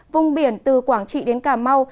vùng biển từ quảng trị đến cà mau